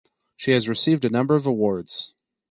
She has received a number of awards.